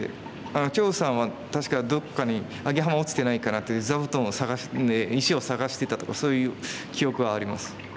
張栩さんは確か「どっかにアゲハマ落ちてないかな」と石を探してたとかそういう記憶はあります。